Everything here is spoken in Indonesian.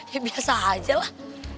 ya biasa aja lah